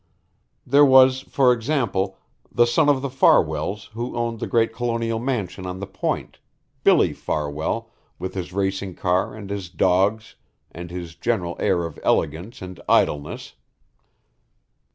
There was, for example, the son of the Farwells who owned the great colonial mansion on the point, Billy Farwell, with his racing car and his dogs and his general air of elegance and idleness.